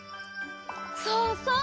そうそう！